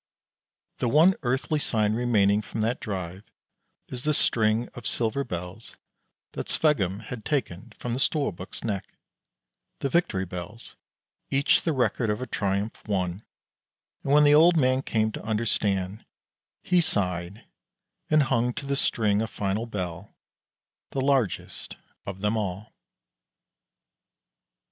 The one earthly sign remaining from that drive is the string of silver bells that Sveggum had taken from the Storbuk's neck the victory bells, each the record of a triumph won; and when the old man came to understand, he sighed, and hung to the string a final bell, the largest of them all.